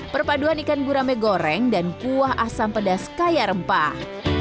perpaduan ikan gurame goreng dan kuah asam pedas kaya rempah